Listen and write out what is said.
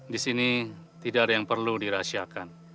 di sini tidak ada yang perlu dirahasiakan